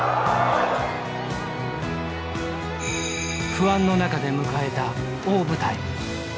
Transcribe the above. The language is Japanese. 不安の中で迎えた大舞台。